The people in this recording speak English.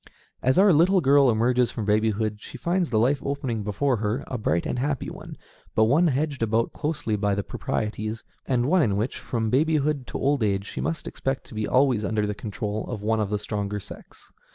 As our little girl emerges from babyhood she finds the life opening before her a bright and happy one, but one hedged about closely by the proprieties, and one in which, from babyhood to old age, she must expect to be always under the control of one of the stronger sex.